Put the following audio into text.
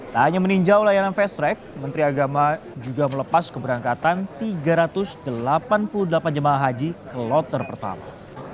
tak hanya meninjau layanan fast track menteri agama juga melepas keberangkatan tiga ratus delapan puluh delapan jemaah haji ke loter pertama